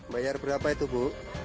bayar berapa itu bu